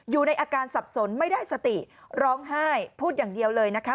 อยู่ในอาการสับสนไม่ได้สติร้องไห้พูดอย่างเดียวเลยนะคะ